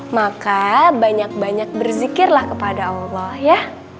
maka banyak banyak berzikirlah kepada allah ya